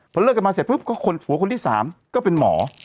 พอเลิกกันมาเสร็จปุ๊บก็คนผัวคนที่๓ก็เป็นหมอ